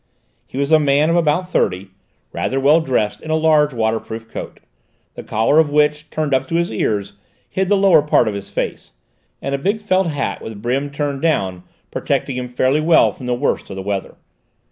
He was a man of about thirty, rather well dressed in a large waterproof coat, the collar of which, turned up to his ears, hid the lower part of his face, and a big felt hat with brim turned down protecting him fairly well from the worst of the weather.